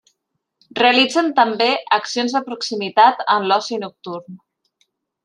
Realitzen també accions de proximitat en l’oci nocturn.